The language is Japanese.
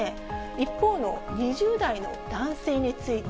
一方の２０代の男性について。